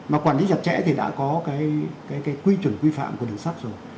mà quản lý chặt chẽ thì đã có cái quy chuẩn quy phạm của đường sắt rồi